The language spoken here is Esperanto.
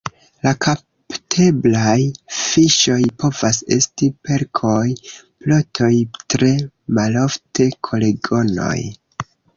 La kapteblaj fiŝoj povas esti perkoj, plotoj, tre malofte koregonoj.